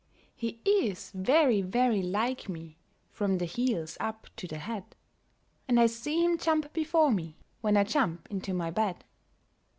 He is very, very like me from the heels up to the head; And I see him jump before me, when I jump into my bed.